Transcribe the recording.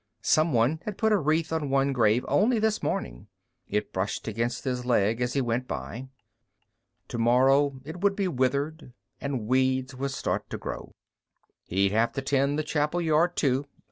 Someone had put a wreath on one grave only this morning; it brushed against his leg as he went by. Tomorrow it would be withered, and weeds would start to grow. He'd have to tend the chapel yard, too.